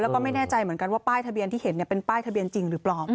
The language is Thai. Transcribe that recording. แล้วก็ไม่แน่ใจเหมือนกันว่าป้ายทะเบียนที่เห็นเป็นป้ายทะเบียนจริงหรือเปล่า